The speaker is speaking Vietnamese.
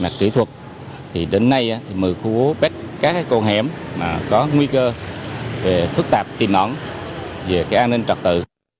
mặt kỹ thuật thì đến nay mười khu bắt các cái cầu hẻm mà có nguy cơ về phức tạp tìm nón về cái an ninh trọc tự